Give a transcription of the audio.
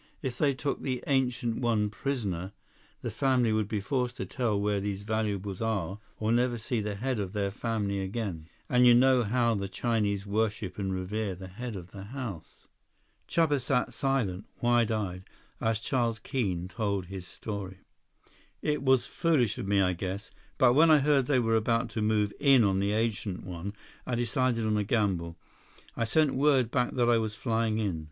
If they took the Ancient One prisoner, the family would be forced to tell where these valuables are or never see the head of their family again. And you know how the Chinese worship and revere the head of the house." Chuba sat silent, wide eyed, as Charles Keene told his story. "It was foolish of me, I guess. But when I heard they were about to move in on the Ancient One, I decided on a gamble. I sent word back that I was flying in.